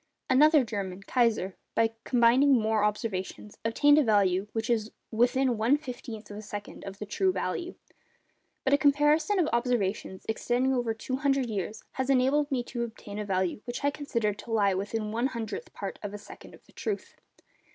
Another German, Kaiser, by combining more observations, obtained a value which is within one fifteenth of a second of the true value. But a comparison of observations extending over 200 years has enabled me to obtain a value which I consider to lie within one hundredth part of a second of the truth.